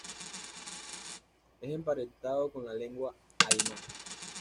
Es emparentado con la lengua aimara.